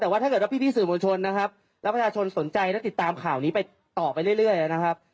แต่ว่าถ้าเกิดว่าพี่สื่อมวลชนนะครับแล้วประชาชนสนใจและติดตามข่าวนี้ไปต่อไปเรื่อยนะครับ